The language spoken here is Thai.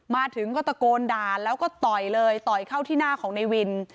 มาถึงก็ตะโกนด่าแล้วก็ต่อยเลยต่อยเข้าที่หน้าของในวิน